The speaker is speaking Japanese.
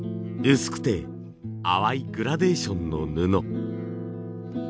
薄くて淡いグラデーションの布。